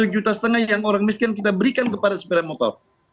dua puluh juta setengah yang orang miskin kita berikan kepada sepeda motor